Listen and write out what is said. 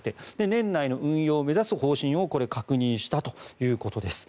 年内の運用を目指す方針を確認したということです。